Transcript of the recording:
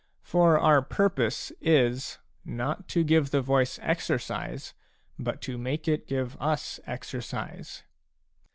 For our purpose is, not to give the voice .exercise, but to make it give us exercise.